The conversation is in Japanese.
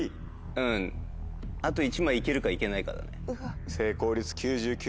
うんあと１枚行けるか行けないかだね。